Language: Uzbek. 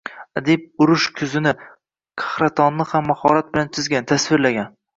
Adib urush kuzini, qahratonini ham mahorat bilan chizgan, tasvirlagan